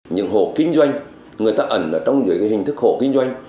những hộ kinh doanh người ta ẩn ở trong dưới hình thức hộ kinh doanh